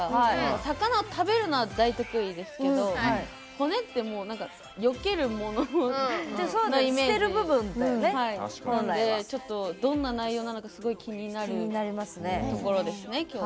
魚を食べるのは大得意ですけど骨ってよけるものなイメージなんでどんな内容なのか気になるところですね。